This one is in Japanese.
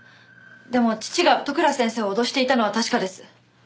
でも父が利倉先生を脅していたのは確かです。